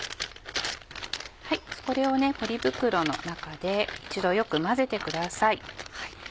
これをポリ袋の中で一度よく混ぜてください。